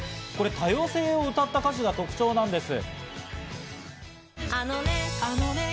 多様性を歌った歌詞が特徴なんです。